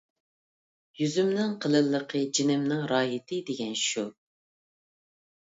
«يۈزۈمنىڭ قېلىنلىقى جېنىمنىڭ راھىتى» دېگەن شۇ.